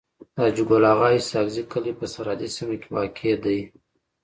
د حاجي ګل اغا اسحق زی کلی په سرحدي سيمه کي واقع دی.